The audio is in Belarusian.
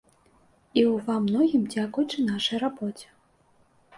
І ў ва многім дзякуючы нашай рабоце.